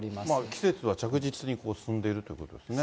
季節は着実に進んでいるということですね。